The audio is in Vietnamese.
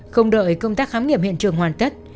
không đợi công tác khám nghiệm hiện trường hoàn tất